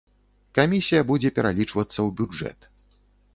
Камісія будзе пералічвацца ў бюджэт.